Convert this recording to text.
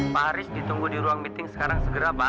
pak haris ditunggu di ruang meeting sekarang segera mbak